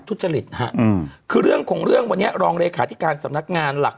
ทุจริตฮะอืมคือเรื่องของเรื่องวันนี้รองเลขาธิการสำนักงานหลัก